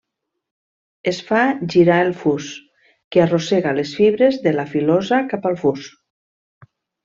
Es fa girar el fus, que arrossega les fibres de la filosa cap al fus.